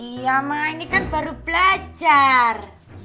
iya mak ini kan baru belajar